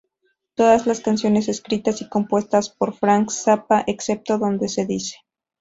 Todas las canciones escritas y compuestos por Frank Zappa excepto dónde se dice.